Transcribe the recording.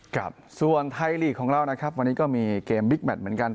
ครับส่วนไทยลีกของเรานะครับวันนี้ก็มีเกมบิ๊กแมทเหมือนกัน